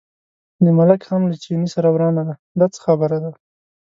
د ملک هم له چیني سره ورانه ده، دا څه خبره ده.